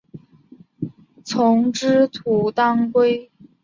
丛枝土当归